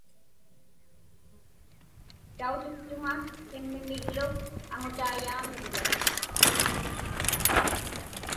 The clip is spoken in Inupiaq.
Tautuktuŋa qimmimiglu aŋutaiyaamiglu.